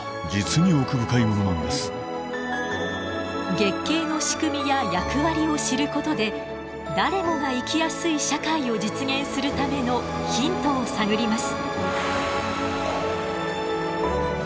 月経の仕組みや役割を知ることで誰もが生きやすい社会を実現するためのヒントを探ります。